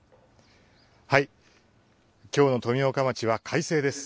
きょうの富岡町は快晴です。